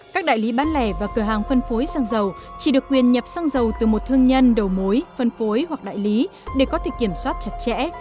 các đại lý bán lẻ và cửa hàng phân phối xăng dầu chỉ được quyền nhập xăng dầu từ một thương nhân đầu mối phân phối hoặc đại lý để có thể kiểm soát chặt chẽ